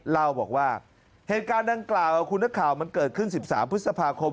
เล่าบอกว่าเหตุการณ์ดังกล่าวคุณนักข่าวมันเกิดขึ้น๑๓พฤษภาคม